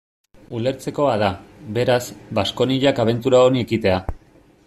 Ulertzekoa da, beraz, Baskoniak abentura honi ekitea.